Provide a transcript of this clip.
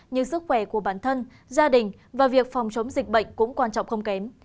như sức khỏe của bản thân gia đình và việc phòng chống dịch bệnh cũng quan trọng không kém